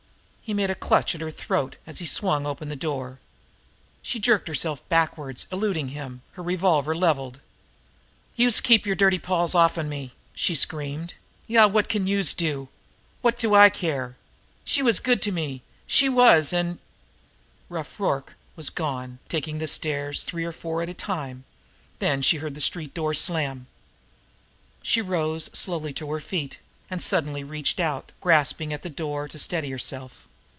He made a clutch at her throat, as he swung the door open. She jerked herself backward, eluding him, her revolver leveled. "Youse keep yer dirty paws off me!" she screamed. "Yah, wot can youse do! Wot do I care! She was good to me, she was, an " Rough Rorke was gone taking the stairs three and four at a time. Then she heard the street door slam. She rose slowly to her feet and suddenly reached out, grasping at the door to steady herself.